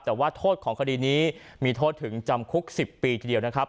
แต่ว่าโทษของคดีนี้มีโทษถึงจำคุก๑๐ปีทีเดียวนะครับ